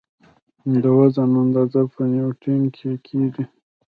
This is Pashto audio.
د وزن اندازه په نیوټن کې کېږي.